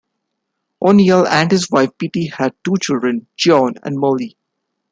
O'Neal and his wife Bettie had two children, John and Mollie.